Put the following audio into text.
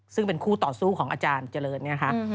ซึ่งเป็นคู่ต่อสู้ของอาจารย์เจริญเนี่ยค่ะ